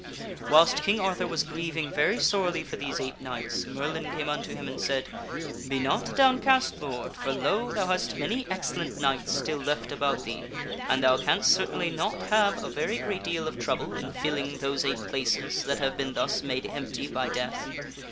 Whilst King Arthur was grieving very sorely for these eight knights, Merlin came unto him, and said, " Be not downcast, lord, for lo! thou hast many excellent knights still left about thee and thou canst certainly not have a very great deal of trouble in filling those eight places that have been thus made empty by death.